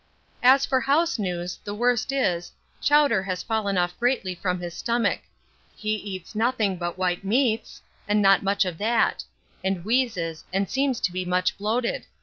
As for house news, the worst is, Chowder has fallen off greatly from his stomick He cats nothing but white meats, and not much of that; and wheezes, and seems to be much bloated.